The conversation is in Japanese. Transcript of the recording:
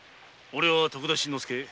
おれは徳田新之助。